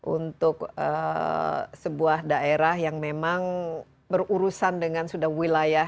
untuk sebuah daerah yang memang berurusan dengan sudah wilayah